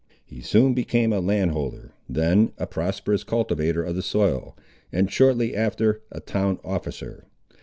He soon became a land holder, then a prosperous cultivator of the soil, and shortly after a town officer.